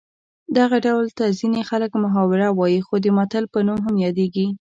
دغه ډول ته ځینې خلک محاوره وايي خو د متل په نوم هم یادیږي